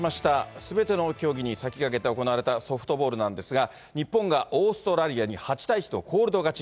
すべての競技に先駆けて行われたソフトボールなんですが、日本がオーストラリアに８対１とコールド勝ち。